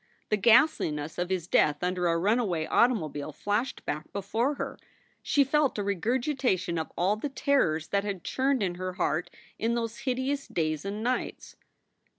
The ghastliness of his death under a runaway automobile flashed back before her. She felt a regurgitation of all the terrors that had churned in her heart in those hideous days and nights.